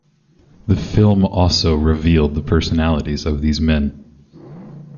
The film also revealed the personalities of these men.